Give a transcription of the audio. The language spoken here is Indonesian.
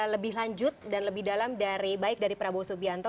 lebih lanjut dan lebih dalam dari baik dari prabowo subianto